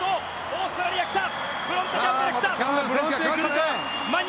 オーストラリアきた！